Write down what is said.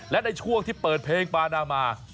และในช่วงที่เปิดเพลงปานามา